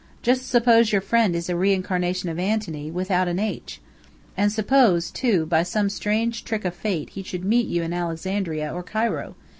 Just suppose your friend is a reincarnation of Antony without an 'H'? And suppose, too, by some strange trick of fate he should meet you in Alexandria or Cairo?